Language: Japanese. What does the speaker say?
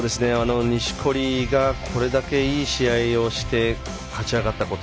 錦織が、これだけいい試合をして勝ち上がったこと。